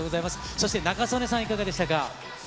そして仲宗根さん、いかがでしたか？